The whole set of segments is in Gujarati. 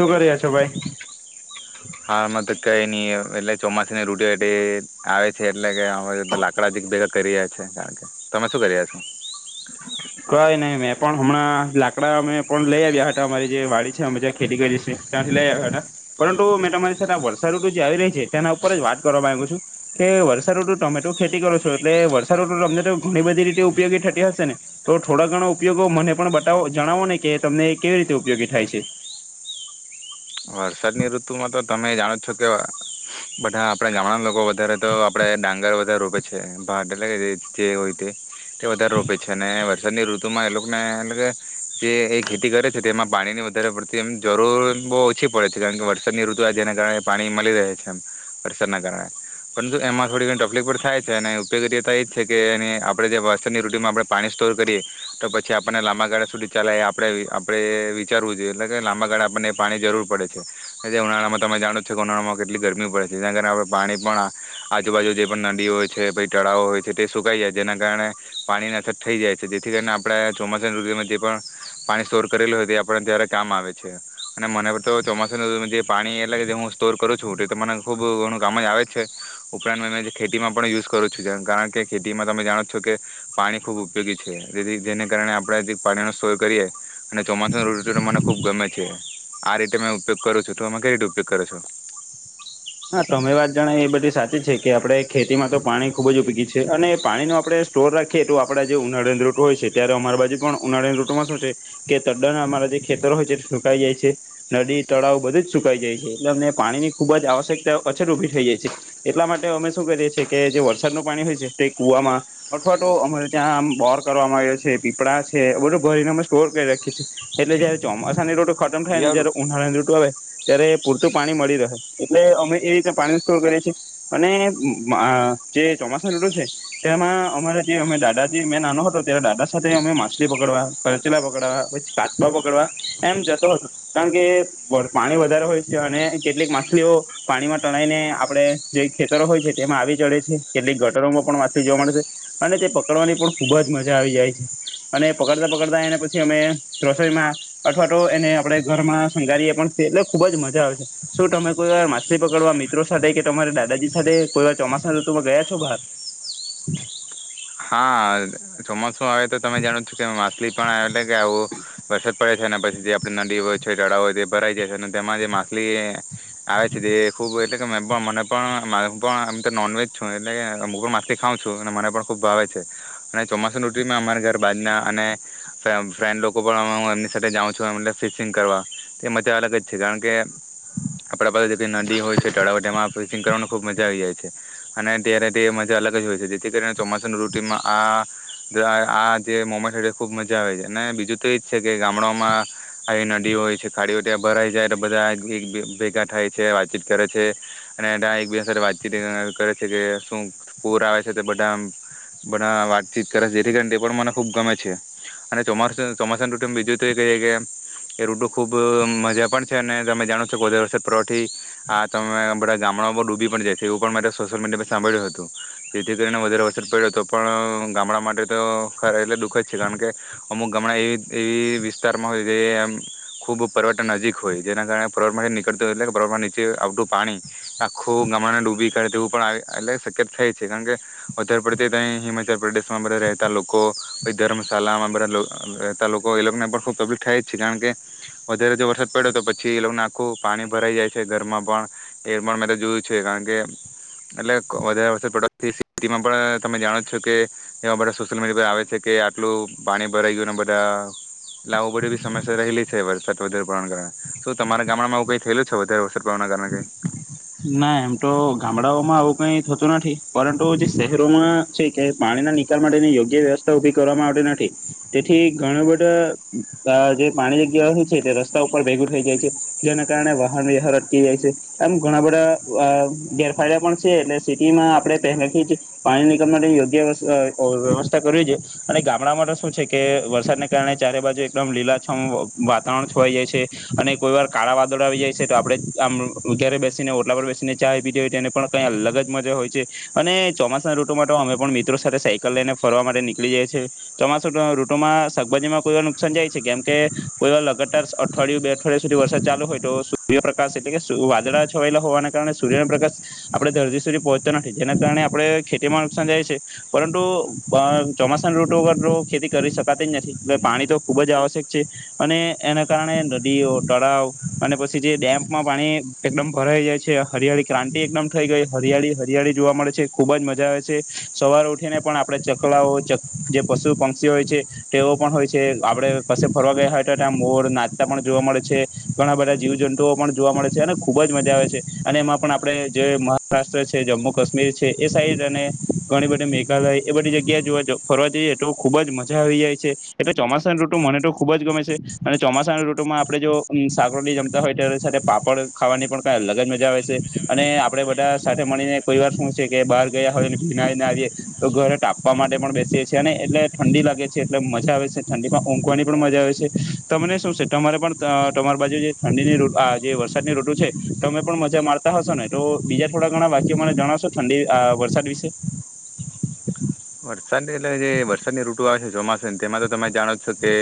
શું કરી રહ્યા છો ભાઈ? હા મત કઈ નઈ અહ એટલે ચોમાસાની [unintelligible] આવે છે એટલે કે હવે લાકડા થી જ ભેગા કર્યા છે કારણ કે, તમે શું કર્યા છો? કાઈ નહી મેં પણ હમણાં લાકડા અમે પણ લઈ આવ્યા હતા અમારી જે વાડી છે અમે જ્યાં ખેતી કરી છી ત્યાંથી લઈ આવ્યા હતા, પરંતુ મેં તમારી સાથે વર્ષા ઋતુ જે આવી રહી છે તેના ઉપર જ વાત કરવા માંગુ છું, કે વર્ષા ઋતુ તમે તો ખેતી કરો છો એટલે વર્ષા ઋતુ તમે તો ઘણી બધી રીતે ઉપયોગી થતી હશે ને. તો થોડા ઘણો ઉપયોગો મને પણ બતાવો જણાવો ને કે તમને કેવી રીતે ઉપયોગી થાય છે. વરસાદની ઋતુમાં તો તમે જાણો છો કે બધા આપડે ગામડા લોકો અત્યારે તો આપડે ડાંગર વધારે રોપે ભાટ એટલે જે હોય તે વધારે રોપે છે અને વરસાદની ઋતુમાં એ લોકોને [unintelligible] કે જે એ ખેતી કરે છે તે એમાં પાણી ની વધારે પડતી એમ જરૂર બવ ઓછી પડે છે. કારણ કે વરસાદની ઋતુ આવે જેના કારણે પાણી મળી રહે છે એમ, વરસાદના કારણે. પરંતુ એમાં થોડી ઘણી તકલીફ પણ થાય છે અને ઉપયોગીતા એ જ છે કે એ આપણે જે વરસાદની ઋતુમાં આપણે પાણી સ્ટોર કરીએ તો પછી આપણને લાંબા ગાળા સુધી ચાલે એ આપડે આપડે વિચારવું જોઈએ એટલે કે લાંબા ગાળા આપણને પાણી જરૂર પડે છે. જે ઉનાળામાં તમે જાણો છો કે ઉનાળામાં કેટલી ગરમી પડે છે જેના કારણે આપ પાણી પણ આ આજુબાજુ જે પણ નદીઓ હોય છે ભઈ તળાવો હોય છે તે સુકાઈ જાય તેના કારણે પાણી ની અસર થઈ જાય છે. જેથી કરીને આપણે આ ચોમાસાના ઋતુમાં જે પણ પાણી સ્ટોર કરેલું હોય તે આપડે ત્યારે કામ આવે છે અને મને તો ચોમાસુંનું જે પાણી એટલે કે હું સ્ટોર કરું છું એ તો મને ખુબ ઘણું કામમાય આવે જ છે ઉપરાંત જે ખેતીમાં પણ યુઝ કરું છું જેમ કારણ કે ખેતીમાં તમે જાણો છો કે પાણી ખૂબ ઉપયોગી છે. જેથી જેને કારણે આપણેે આજે પાણીનો સ્ટોર કરીએ. અને ચોમાસા ઋતુ તો મને ખૂબ ગમે છે. આ રીતે મે ઉપયોગ કરું છું તો આમાં કેઈ રીતે ઉપયોગ કરો છો. હા તમે વાત જાણ એ બધી સાચી છે કે આપડણે ખેતીમાં તો પાણી ખુબ જ ઉપયોગી છે અને પાણીનો આપડણે સ્ટોર રાખીએ તો આપડા જે ઉનાળેની ઋટ હોય છે ત્યારે અમારા બાજુ પણ ઉનાળીની ઋટમાં શું છે કે ત્ડા ના અમારા જે ખેતર હોય છે સુકાઈ જાય છે નદી તળાવ બધું જ સુકાઈ જાય છે એટલે અમને પાણી ની ખુબ જ આવશ્યક. અછત ઉભી થઇ જાય છે એટલા માટે અમે શું કરીએ છીએ કે જે વરસાદ ન પાણી હોય છે તે કુવામાં અથવા તો અ ત્યાં બોર કરવામાં આવ્યો છે પીપળા છે બધો ભરીને અમે સ્ટોર કરી રાખીએ છીએ એટલે જયારે ચોમાસાને રોટ. ખટમ થાયને જીયાડું. જ્યારે ઉહળ દઋુ આવે. ત્યારે પૂરતું પાણી મળી રહે એટલે અમ. એ રીતે પાણી સ્ટોર કરીએ છ છેીએ અને જે ચોમાસાું નટું છે તેમાં અમારા જે અમે દાદાજી મે નાનો હતો તના દાદા સાથે અમે માછલી પકડવા કરચલા પકડવા પછી કાચવા પકડવા એમ જતો હતો કારણ કે પાણી વધારે હોય છે અને કેટલીક માછલીઓ. પાણીમાં ટણાઈને આપડણે જે ખેતરો હોય છે તેમાં આવી ચડે છે કેટલીક ગટરોમાં પણ માછલી જોવા મળે છે અને તે પકડવાની પણ ખુબ જ મજા આવી જાય છે અને પકડતા પકડતા એને પછી અમે રસોઈમાં અઠવાડો એને આપણે ઘરમાં શંગારીએ પણએ એટલે ખુબ જ મજા આવે છે શું તમે કોઈછ. પકડવા મિત્રો સાથે કે તમારે દાદાજી સાથે કોઈ વાર ચોમાસા તમે ગયા છો બાર. હા ચોમાસું આવે તો તમે જાણો છ કે મા. લી પણ. એ કે આવ બછ. પડે છે પછી જે આપણી નડી હોય છે ચડા હોય તે ભરાઈ જાય છે અને તેમાં જે માછલી આવે છે તે ખુબ એટલે કે મે મને પણ તો નોનવેજ છું એટલે કે હું પણ માખલી ખાવં છું અને મને પણ. ખૂબ ભાવે છે અને ચોમાસું રૂટમાં અમારા ઘર બાજના અને ફ્રેન્ડ લોકો પણ હું એમની સાથે જાઉં છું ફિશિંગ કરવા એ મજા અલગ જ છે કારણ કે. આપડા પાસે જે નદી હોય છે તળાવમાં ફિશિંગ કરવાનું. ખુબ મજા આવી જાય છે અને અત્યારે તે મજા અલગ જ હોય છે જેથી કરીને. ચોમાસાુની રોટીમાં આ. આ જે મોડ ખુબ મજા આવે છે અને બીજું તો એજ છે કે ગામડામાં આવી નદીઓ હોય છે ખાડીઓ ત્યા ભરાઈ જાય એટલે બધા ભેગા થાય છે વાતચીત કરે છે અને એક બે વાતચીત કરે છે કે શું પૂર આવે છે બધા. બધા વાતચીત કરે જેથી કરીને તે પણ મને ખુબ ગમે છે અને ચોમાું ચોમાસા રૂટ બીજું તો એ ક છે કે એ રૂટુ ખુબ મજા પણ છે અને તમે જાણો છો કે વધારે વરષદ પવઠી આ તમે બધા ગામડામાં ડૂબી પણ જાય છે એવું પણ મારે સોશિયલ મીડિયા સાંભળ્યું હતું જેથી કરીને વધ વ. પડ્યો હતો પણ ગામડા માટે તો ખ એલે દુઃખ જ છે કારણ કે અમુક ગામડા એવી એવી વિસ્તારમાં હોય જેમ ખુબ પવતન નજીક હોય જેના કારણે પર્વરમાંથી નીકળતું હોય એટલે પર્વરમાં નીચે આવતું પાણી આખું ગામડા ને ડૂબી કરે તેવું પણ એટલે શક્યત થાય છે કારણ કે. વધારે પડતી તં હિમાચલ પ્રદેશમાં બધા રહેતા લોકો ધર્મશાળામાં બધા રહેતા લોકો એ લોકોને પણ ખૂબ તબીફ થાય જ છે કારણ કે વધારે જો વરસાદ પડ્યો તો પછી એ લોકોને આખું પાણી ભરાઈ જાય છે ઘરમાં પણ એ પણ મેં તો જોયું છે કારણ કે એટલે વધારે વરસાદ પડવાથી. સ્થમાં પણ તમે જાણો છો કે જેવા બધા સોશિયલ મીડિયા પર આવે છે કે આટલું પાણી ભરાઈ ગયું અને બધા લાવું પડ્યું એ બી સમસ્યા રહેલી છે વરસાદ વધારે પડવાના કારણે શ તમારા ગામડામાંું કઈ થયેલું છે વધારે વરસાદ પડવાના કારણે કઈ. ના એમ તો ગામડાઓમાં આવું કઈ થતું નથી પરંતુ જે શહેરોમાં છે કે પાણીના નિકાલ માટેની યોગ્ય વ્યવસ્થા ઉભી કરવાવામાં આવતી નથી તેથી ઘણું બધા જે પાણી જગ્યા છે તે રસ્તા ઉપર ભેગું થઈ જાય છે જેના કારણે વાહન વ્યહાર અટકી જાય છે એમ. ઘણા બધા ગેરફાયદા પણ છે એટલે સિટીમાં આપણે પહેલાથી જ પાણી નીકળવાની યોગ્ય વ્યવસ્થા કર છે અને ગામડામાં માટે શું છે કે વરસાદને કારણે ચારે બાજુ એકદમ લીલાછમ વાતાવરણ છવાઈ જાય છે અને કોઈ વાર કાળા વાદળ આવી જાય છે તો આપડ આમરે બે. લા બેસીને ચા પીધી હોય છેને પણ કઈ અલગ જ મજા હોય છે અને ચોમાસાના રૂટોમાં તો અમે પણ મિત્રો સાથે સાયકલ લઈને ફરવા નીળી જાય છીએ ચોમાસા રૂટોમાં શાકભાજીમાં કોઈ નુકસાન જાય છે કેમ કે કોઈ લગતાર અઠવાડિયું બે અઠવાડિિયા સુધી વરસાદ ચાલુ હોય તો સૂર્યપ્રકાશ એટલે કે વાદળ. વાણે સૂર્ય પ્રકાશ આપણે ધરતી સુધી પહોંચતો નથી જેના કારણે આપણે ખેતીમાં નુકસાન જાય છે પરંતુ ચોમાસાના રૂટ વગર તો ખેતી કરી શકાતી જ નથી એટ પાણી તો ખુબ જ આવશ્યક છે અને એના કારણે નદીઓ તળાવ અને પછી જે ડેમ્માં પાણી એકદમ. ભરાઈ જાય છે હરિયાળી ક્રાંતિ એકદમ થઈ ગઈ હરિયાળી હરિયાળી જોવા મળે છે ખુબ જ મજા આવે છે સવાર ઉઠીને પણ આપડે ચકલાઓ જે પશુ પંક્ષીઓ હોય છે તેઓ પણ હોય છે આપડે કશે ફરવા ગયા હોય તો ત્યાં મોડ નાચતા પણ જોવા મળે છે ઘણા બધા જીવ જંતુઓ પણ જોવા મળે છે અને ખૂબ જ. એમાં પણ આપણે જે મહારાષ્ટ્ર છે જમ્મુ કાશ્મીર છે એ સાઈડ અને ઘણી બધી મેઘાલય એ બધી જગ્યા જો ફરવા જઈએ તો ખુબ જ મજા આવી જાય છે એટલે ચોમાસાની રૂટુ મને તો ખુબ જ ગમે છે અને ચોમાસાના રૂટુમાં આપણેે જો સાકરલી જમતા હોય તો સાથે પાપડ ખાવાની પણ. અલગ જ મજા આવે છે અને આપડે બધા સાથે મળીને કોઈ વાર શું છે કે બહાર ગયા હોય ભીના આવીને આવીએ તો ઘરે ટાપવા માટે પણ બેસીએ છીએ અને એટલે ઠંડી લાગે છે એટલે મજા આવે છે ઠંડીમાં ઊંઘવાની પણ મજા આવે છે તમને શું છે તમારે પણ તમારી બાજુ જે ઠંડીની આ જે વરસાદની રઋટુ છે. તમે પણ મજા મારતા હશો ને તો બીજા થોડા ઘણા વાક્યો મને જણાવશો ઠંડી વરસાદ વિશે. વરસાદની એટલે જે વરસાદની ઋતુ આવે છે ચોમાસા. તેમાં તો તમે જાણો છો કે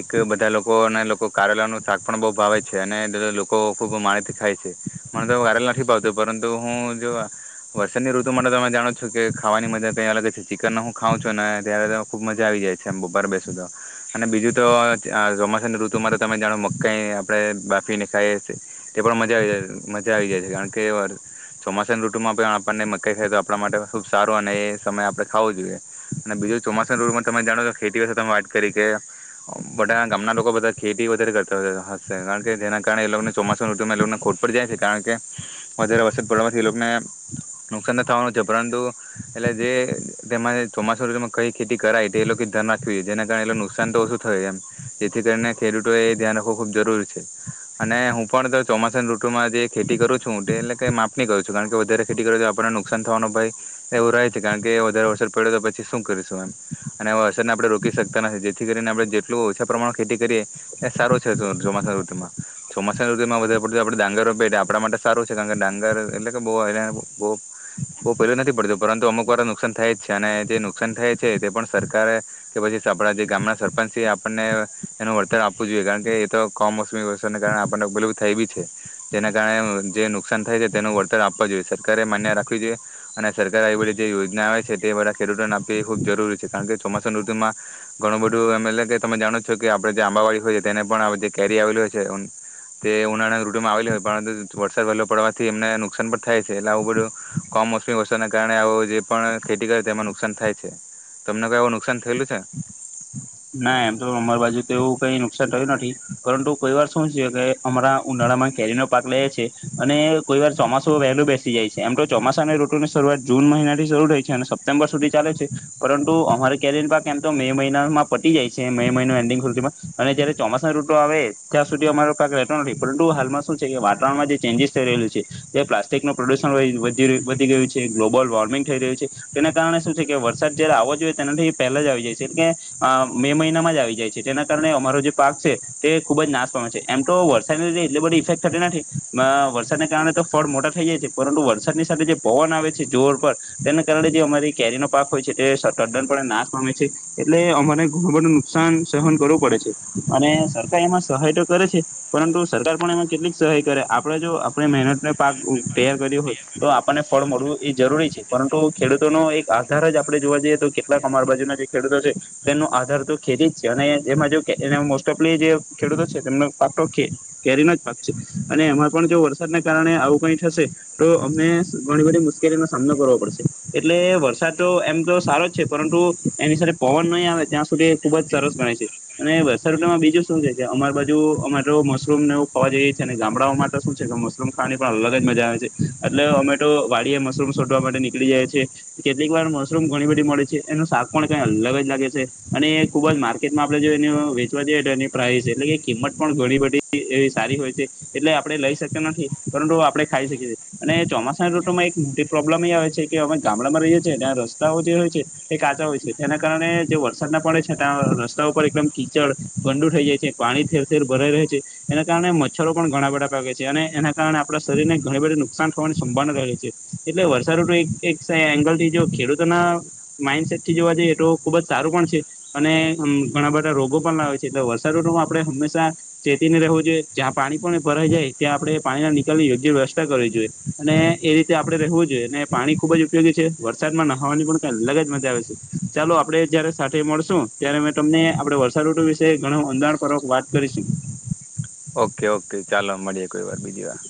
એક બધા લોકો અને લોકો કારેલા ન શાક પણ બઉુ ભાવે છે અનેધ લોકો ખુબ માળથી ખાય છે મને તો કારેલા નથી ભાવતું પરંતુ હું જો વરસાદની ઋતુ માટે તમે જાણો છો કે ખાવાની મજા કઈ અલગ જ છે. ચિકનને હું ખાં છું ને ત્યારે તો ખૂબ મજા આવી જાય છે બપાર બેસ તોો અને બીજું તો ચોમાસાની ઋતુમાં તો તમે જાણો મકાઈ આપણે બાફીને ખાઈએ છીએ તે પણ મજા આવી જાય મજા આવી જાય છે કારણ કે ચોમાસાની ઋતુમાં પણ આપણને મકાઈ ખાય તો આપણા માટે ખૂબ સારો અને એ સમય આપણે. ખાવું જોઈએ અને બીજું ચોમાસાની ઋટુમાં તમે જાણો છો ખેતી વત તમે વાટ કરી કે બધા ગામના લોકો બધા ખેતી વધારે કરતા હશે કારણ કે જેના કારણે એ લોકોને ચોમાસાની ઋટુમાં એ લોકોને ખોટ પડી જાય છે કારણ કે વધારે વરદ પડવાથી એ લોકોને નુકસાન ન થવાનું છે પરંતુ એટલે જે. તેમાં ચોમાસા ઋતુમાં કઈ ખેતી કરાય તે એ લોકો ધ્યાન રાખવું જોઈ જેના કારણે એ નુકસાન તો ઓછું થય એમ જેથી કરીને ખેડૂતો એ ધ્યાન રાખવું ખુબ જરૂરી છે અને હું પણ ચોમાસાની ઋતુમાં જે ખેતી કરું છું એલે માપની કરું છું કારણ કે વધારે ખેતી કરું તો આપણને નુકસાન થવાનો ભ એવું રહે છે કારણ કે વધારે. પડ્યો તો પછી શું કરીશું એમ. ને આપણે રોકી શકતા નથી જે. કરીને આપણે જેટલું ઓછા પ્રમાણ ખેતી કરીએ એ સારું છે ચોમાસા ઋતુમાં ચોમાસા ઋતુમાં વધારે પડત આપ ડાંગર પેટ આપણા માટે સારું છે કારણ કે ડાંગર એટલે કે બહુ બહુ પહેલું નથી પડતું પરુ અમુક વાર નુકસાન થાય જ છે. ને જે નુકસાન થાય છે તે પણ સરકારે કે પછી આપડા જે ગામના સરપંચ છે આપણને એનું વળતર આપવું જોઈએ કારણ કે એ તો કોમ. કાર આપ બ. થી છે જેના કારણે જે નુકસાન થાય છે તેનું વળતર આપવા જોઈએ સરકારે માન્ય રાખવી જોઈએ અને સરકારારે આવી બી જે યોજના આવે છે. ખેતીવાળા ખેડૂતો ના એ ખુબ જરૂરી છે કારણ કે ચોમાસાનું માં ઘણું બધું એમ એટલે કે તમે જાણો છો કે આપડે જે આંબાવાડી હોય એને પણ આ બધી કેરી આવેલી હોય છે. તે ઉનાળા ઋટુમાં આવેલી હોય પરંતુ વરસાદ વહેલો પડવાથી એમને નુકસાન પણ થાય છે એટલે આવું બધું કમ મોસમી વરસાદના કારણે આવ જે પણ ખેતી કરે તેમાં નુકસાન થાય છે. તમને કોઈ એવું નુકસાન થયેલું છે? ના એમ તો અમાર બાજુ તો એવું કઈ નુકસાન થયું નથી. પરંતુ કોઈ વાર શું છે કે અમારા ઉનાળામાં કેરીનો પાક લે છે અને કોઈ વાર ચોમાસું વહેલું બેસી જાય છે, એમ તો ચોમાસા ની ઋતુની શરૂઆત જૂન મહિના થી શરૂ થાય છે અને સપ્ટેમ્બર સુધી ચાલે છે પરંતુ અમારી કેરીનો પાક એમ તો મે મહિનામાં પતી જાય છે. મે મહિનો એન્ડિંગ હુધીમાં અને જયારે ચોમાસા રૂટો આવે ત્યાં સુધી અમારો ક્યાંક રહેતો નથી પરંતુ હાલમાં શું છે કે વાતાવરણમાં જે ચેન્જીિસ થઈ રહ્યું છે. જે પ્લાસ્ટિકનું પ્રદુષણ વય વધી વધી ગયું છે, ગ્લોબલ વોર્મિંગ થઈ રહ્યું છે તેના કારણે શું છે કે વરસાદ જયારે આવવો જોઈએ તેનાથી પહેલા જ આવી જાય છે એટલે અ મે મહિનામાં જ આવી જાય છે. તેના કારણે અમારો જે પાક છે તે ખુબ જ નાશ પામે છે. એમ તો વરસાદને લીધે એટલી બધી ઇફેક્ટ થતી નથી, વરસાદને કારણે તો ફળ મોટા થઈ જાય છે પરંતુ વરસાદની સાથે જે પવન આવે છે જોર પર તેના કારણે જે અમારી કેરીનો પાક હોય છે તે સદ ત્દન પણ નાશ પામે છે એટલે અમ ને ગણુબધુ નુકસાન સહન કરવું પડે છે અને સરકાર એમાં સહાય તો કરે છે પરંતુ સરકાર પણ એમાં કેટલીક સહાય કરે આપણે જો આપણે મહેનતને પાક તૈયાર કર્યો હોય તો આપણને ફળ મળવું એ જરૂરી છે પરંતુ ખેડૂતોનો એક આધાર જ આપડે જોવા જઈએ તો કેટલાક અમાર બાજુના જે ખેડૂતો છે. તેનો આધાર તો ખેતી જ છે અને એમાં જો કે એન મ મોસ્ટ ઓફલી જે ખેડૂતો છે તેમનો પાક તો કે કેરીનો જ પાક છે અને એમાં પણ જો વરસાદને કારણે આવું કઈ થશે તો અમને ઘણી બધી મુશ્કેલીનો સામનો કરવો પડશે. એટલે વરસાદ તો એમ તો સારો જ છે પરંતુ એની સાથે પવન નઈ આવે ત્યાં સુધી એ ખુબ જ સરસ બને છે અને વરસાદમાં બીજું શું છે કે અમાર બાજુ અમેટો મશરૂમ નેવ ખાવા જઈએ છે ને ગામડાઓ માટે તો શું છે કે મશરૂમ ખાવાની પણ અલગ જ મજા આવે છે. એટલે અમેટો વાળીએ મશરૂમ સોધવા માટે નીકળી જાય છે. કેટલીક વાર મશરૂમ ઘણી બધી મળે છે એનું શાક પણ કઈ અલગ જ. ઊગે છે. ખુબ જ માર્કેટમાં આપણે એ વેચવા જઈએ એની પ્રાઇસ એટલે કે કિંમત પણ ઘણી બધી એવી સારી હોય છે. એટલે આપણે લઈ શકીએ નથી પરંતુ આપડે ખાઈ શકીએ છીએ અને ચોમાસા ઋતુમાં એક મોટી પ્રોબ્લેમ એ આવે છે કે અમે ગામડામાં રહીએ છીએ ત્યાં રસ્તાઓ જે હોય છે તે કાચા હોય છે તેના કારણે જે વરસાદના પડે છે ત્યાં રસ્તા ઉપર એકદમ કીચડ ગંડુ થઈ જાય છે, પાણી થેર થેર ભરાઈ રહે છે એના કારણે મચ્છરો પણ ઘણા બધા પાગે છે અને એના કારણે આપણા શરીરને ઘણી બધી નુકસાન થવાની સંભાવના રહે છે એટલે વરસાદ ઋતુ એક એકસ એંગલ થી જો ખેડૂતોના માઇન્ડસેટથી જોવા જઈએ તો ખુબ જ સારું પણ છે અને ઘણા બધા રોગો પણ લાવે છે. એટલે વરસા ઋતુમાં આપણે હંમેશા ચેતીને રહેવું જોઈએ. જ્યાં પાણી પણ ભરાઈ જાય ત્યાં આપણે પાણીના નિકાલ ની યોગ્ય વ્યવસ્થા કરવી જોઈએ અને એ રીતે આપણે રહેવું જોઈએ ને પાણી ખુબ જ ઉપયોગી છે વરસાદમાં નહવાની પણ કઈ અલગ જ મજા આવે છે ચાલો આ આપણે જયારે સાથે મળશું ત્યારે મે તમને આ બધૂ વરસાદઋુતુ વિશે ઘણું અંધાણપૂર્વક વાત કરીશું. ઓકે ઓકે ચાલો મળીએ કોઈ વાર બીજી વાર.